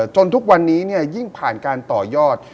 จนทุกวันนี้ยิ่งผ่านการต่อยอด